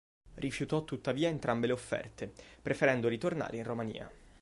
Rifiutò tuttavia entrambe le offerte, preferendo ritornare in Romania.